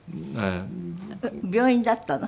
病院だったの？